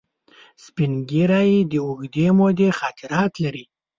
سپین ږیری د اوږدې مودې خاطرات لري